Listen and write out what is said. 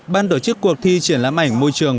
ban tổ chức cuộc thi triển lãm ảnh môi trường